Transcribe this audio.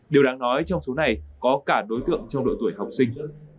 điều đáng nói trong số này có cả đối tượng trong độ tuổi học sinh